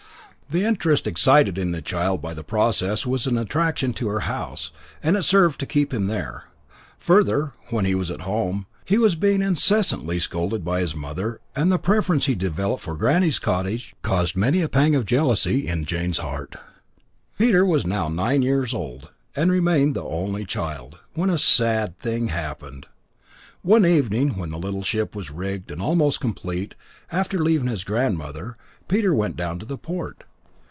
The interest excited in the child by the process was an attraction to her house, and it served to keep him there. Further, when he was at home, he was being incessantly scolded by his mother, and the preference he developed for granny's cottage caused many a pang of jealousy in Jane's heart. Peter was now nine years old, and remained the only child, when a sad thing happened. One evening, when the little ship was rigged and almost complete, after leaving his grandmother, Peter went down to the port.